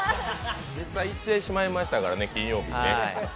実際、行ってしまいましたからね、金曜日ね。